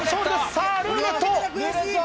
さあ、ルーレット！